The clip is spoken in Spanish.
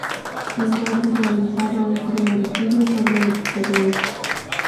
En cual se realizaba un primer estudio sobre el expediente.